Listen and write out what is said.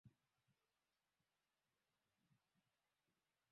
Alishiriki mkutano uliojadili masuala ya Mabadiliko ya Tabia Nchi